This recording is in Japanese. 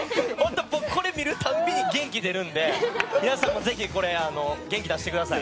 僕、これを見るたびに元気になるので皆さんも、ぜひこれで元気出してください。